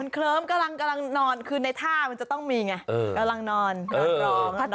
เคลิ้มกำลังนอนคือในท่ามันจะต้องมีไงกำลังนอนนอนร้อง